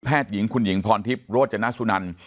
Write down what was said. แพทย์หญิงคุณหญีงพรทิพย์โรจน์จนี่สุนัน